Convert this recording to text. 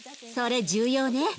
それ重要ね。